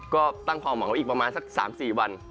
ก็ตั้งความหวังไว้อีกประมาณสัก๓๔วัน